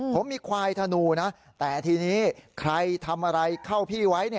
ผมมีควายธนูนะแต่ทีนี้ใครทำอะไรเข้าพี่ไว้